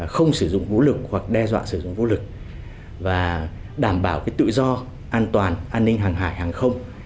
không sử dụng vũ lực hoặc đe dọa sử dụng vũ lực và đảm bảo tự do an toàn an ninh hàng hải hàng không